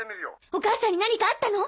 お母さんに何かあったの？